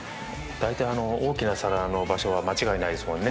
大体、大きな皿の場所は間違いないですもんね。